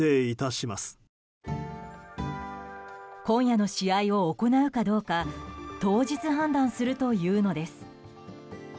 今夜の試合を行うかどうか当日判断するというのです。